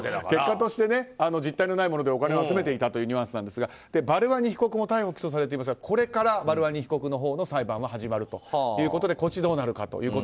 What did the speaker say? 結果として実体のないものでお金を集めていたというニュアンスなんですがバルワニ被告も逮捕・起訴されていますがこれからバルワニ被告の裁判が始まるということでこちらもどうなるかと。